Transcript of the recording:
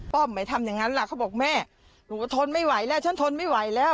ไม่ทำอย่างนั้นล่ะเขาบอกแม่หนูก็ทนไม่ไหวแล้วฉันทนไม่ไหวแล้ว